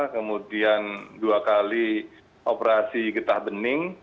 kemudian dua kali operasi getah bening